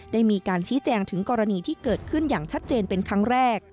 ได้มีการชี้แจงถึงกรณีที่เกิดขึ้นอย่างชัดเจนเป็นครั้งแรก